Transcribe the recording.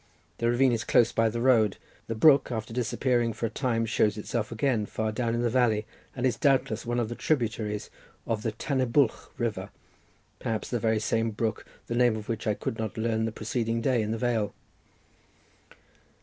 The ravine is close by the road. The brook, after disappearing for a time, shows itself again far down in the valley, and is doubtless one of the tributaries of the Tan y Bwlch river, perhaps the very same brook the name of which I could not learn the preceding day in the vale.